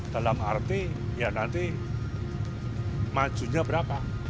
dalam arti ya nanti majunya berapa